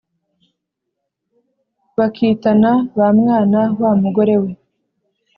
bakitana ba mwana wa mugore we